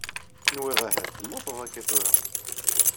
Nwiɣ ahat temmuteḍ akka tura.